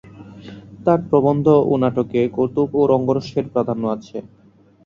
তাঁর প্রবন্ধ ও নাটকে কৌতুক ও রঙ্গরসের প্রাধান্য আছে।